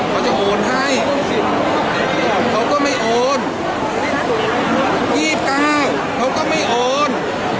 เขาจะโอนให้เขาก็ไม่โอนยี่สิบเก้าเขาก็ไม่โอน